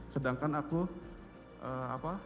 sedangkan aku apa